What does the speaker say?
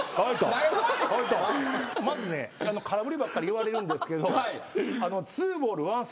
まずね空振りばっかり言われるんですけど。